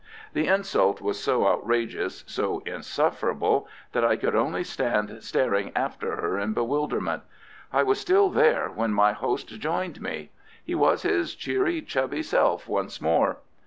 The insult was so outrageous, so insufferable, that I could only stand staring after her in bewilderment. I was still there when my host joined me. He was his cheery, chubby self once more.